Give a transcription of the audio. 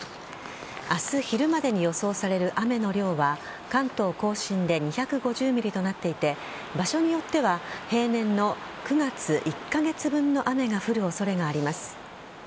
明日昼までに予想される雨の量は関東甲信で２５０ｍｍとなっていて場所によっては平年の９月１カ月分の雨が降る恐れがあります。